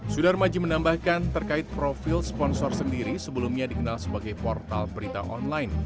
sudar maji menambahkan terkait profil sponsor sendiri sebelumnya dikenal sebagai portal berita online